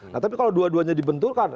nah tapi kalau dua duanya dibenturkan